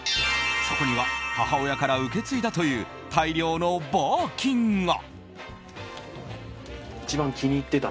そこには母親から受け継いだという大量のバーキンが。